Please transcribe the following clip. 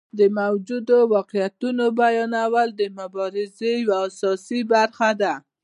د موجودو واقعیتونو بیانول د مبارزې یوه اساسي برخه ده.